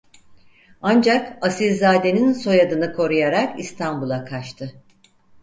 Ancak asilzadenin soyadını koruyarak İstanbul'a kaçtı.